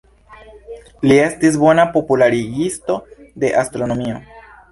Li estis bona popularigisto de astronomio.